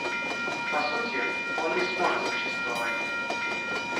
По сути, он не сможет существовать.